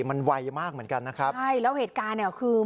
มันไวมากเหมือนกันนะครับใช่แล้วเหตุการณ์เนี่ยคือ